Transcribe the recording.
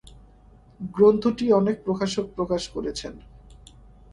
গ্রন্থটি অনেক প্রকাশক প্রকাশ করেছেন।